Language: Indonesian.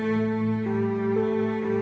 dengan kendaraan kita